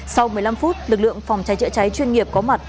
sau một mươi năm phút lực lượng phòng cháy chữa cháy chuyên nghiệp có mặt